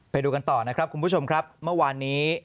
ไปดูกันต่อนะครับคุณผู้ชมครับเมื่อวานนี้